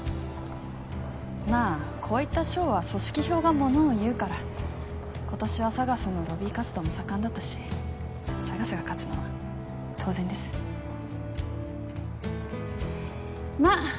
まあこういった賞は組織票がものをいうから今年はＳＡＧＡＳのロビー活動も盛んだったしＳＡＧＡＳが勝つのは当然ですまあ